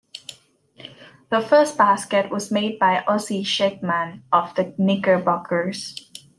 The first basket was made by Ossie Schectman of the Knickerbockers.